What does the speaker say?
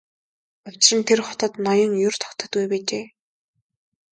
Учир нь тэр хотод ноён ер тогтдоггүй байжээ.